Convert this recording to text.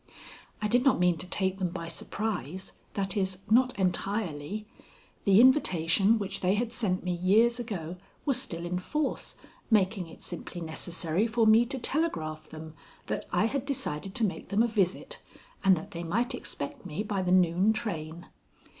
I did not mean to take them by surprise that is, not entirely. The invitation which they had sent me years ago was still in force, making it simply necessary for me to telegraph them that I had decided to make them a visit, and that they might expect me by the noon train.